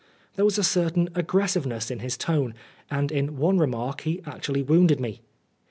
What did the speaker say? There was a certain aggressiveness in his tone, and in one remark he actually wounded me.